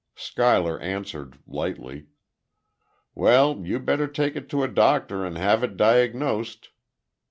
Schuyler answered, lightly: "Well, you'd better take it to a doctor and have it diagnosed."